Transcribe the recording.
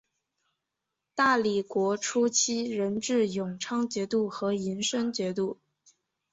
大理国初期仍置永昌节度和银生节度。